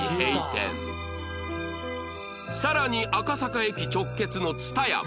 さらに赤坂駅直結の ＴＳＵＴＡＹＡ も